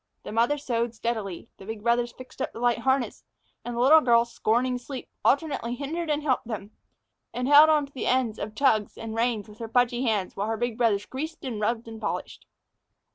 The mother sewed steadily, the big brothers fixed up the light harness, and the little girl, scorning sleep, alternately hindered and helped them, and held on to the ends of tugs and reins with her pudgy hands while the big brothers greased and rubbed and polished.